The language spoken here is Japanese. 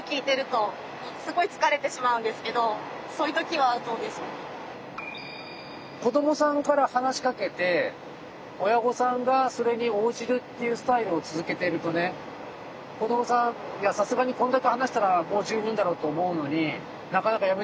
今のように子どもさんから話しかけて親御さんがそれに応じるっていうスタイルを続けているとね子どもさんいやさすがにこんだけ話したらもう十分だろうと思うのに